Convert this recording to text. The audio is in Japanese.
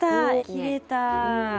切れた。